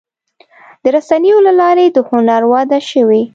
د رسنیو له لارې د هنر وده شوې.